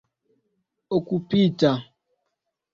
okupita